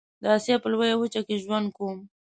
د آسيا په لويه وچه کې ژوند کوم.